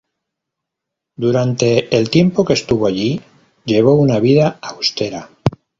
Durante el tiempo que estuvo allí, llevó una vida austera.